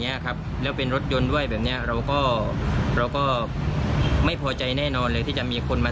เนี้ยครับแล้วเป็นรถยนต์ด้วยแบบเนี้ยเราก็เราก็ไม่พอใจแน่นอนเลยที่จะมีคนมา